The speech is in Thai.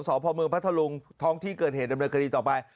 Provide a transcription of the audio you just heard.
สพมพัทธรงค์ท้องที่เกินเหตุดำเนินคดีต่อไป